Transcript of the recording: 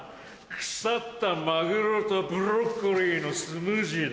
腐ったマグロとブロッコリーのスムージーだ。